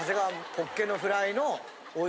ホッケのフライのはい。